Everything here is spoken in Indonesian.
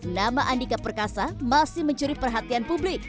nama andika perkasa masih mencuri perhatian publik